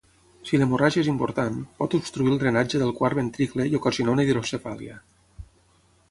Si l'hemorràgia és important, pot obstruir el drenatge del quart ventricle i ocasionar una hidrocefàlia.